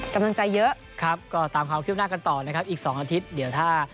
กำลังใจเยอะครับก็ตามความคืบหน้ากันต่อนะครับอีก๒อาทิตย์เดี๋ยวถ้า